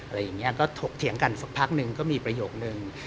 อะไรอย่างนี้ก็ถกเถียงกันสักพักหนึ่งก็มีประโยคนึง